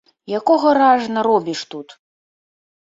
Якога ражна робіш тут?